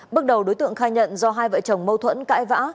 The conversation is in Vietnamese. bước đầu đối tượng khai nhận do hai vợ chồng mâu thuẫn cãi vã